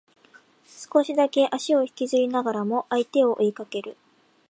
少しだけ足を引きずりながらも相手を追いかける